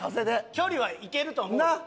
距離はいけると思う。なあ！